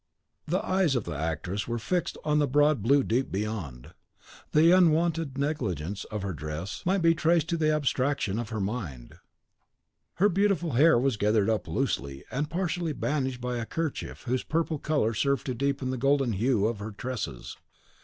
The eyes of the actress were fixed on the broad blue deep beyond. In the unwonted negligence of her dress might be traced the abstraction of her mind. Her beautiful hair was gathered up loosely, and partially bandaged by a kerchief whose purple colour served to deepen the golden hue of her tresses.